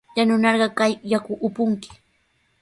Yanunarqa kay yaku upunki.